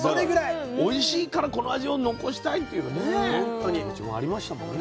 おいしいからこの味を残したいっていうね気持ちもありましたもんね。